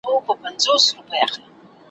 شيطان د انسان سره خپله دښمني اعلان کړه.